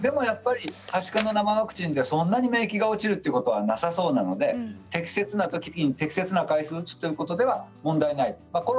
ただやっぱり、はしかの生ワクチンでそんなに免疫が落ちることはなさそうなので適切なときに適切な回数を打つというのは問題はない。